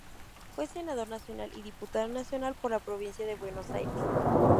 Fue senador nacional y diputado nacional por la Provincia de Buenos Aires.